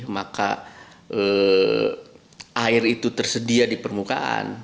maka air itu tersedia di permukaan